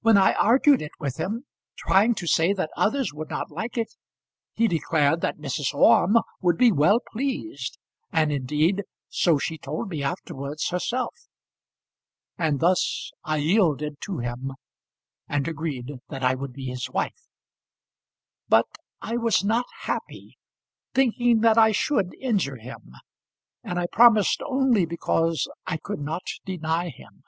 When I argued it with him, trying to say that others would not like it, he declared that Mrs. Orme would be well pleased, and, indeed, so she told me afterwards herself. And thus I yielded to him, and agreed that I would be his wife. But I was not happy, thinking that I should injure him; and I promised only because I could not deny him.